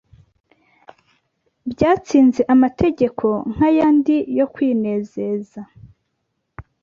Byatsinze amategeko nkayandi yo kwinezeza